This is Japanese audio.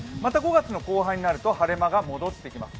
５月の後半になるとまた晴れが戻ってきます。